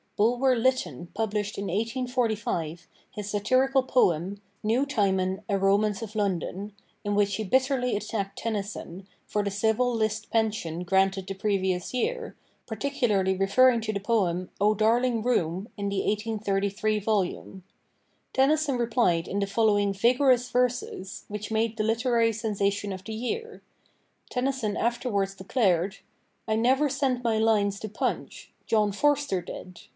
Bulwer Lytton published in 1845 his satirical poem 'New Timon: a Romance of London,' in which he bitterly attacked Tennyson for the civil list pension granted the previous year, particularly referring to the poem 'O Darling Room' in the 1833 volume. Tennyson replied in the following vigorous verses, which made the literary sensation of the year. Tennyson afterwards declared: 'I never sent my lines to Punch. John Forster did.